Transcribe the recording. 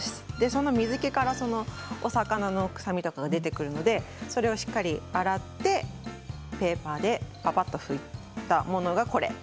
その水けからお魚の臭みとかも出ていくのでそれをしっかり洗ってペーパーでぱぱっと拭いたものが、これ。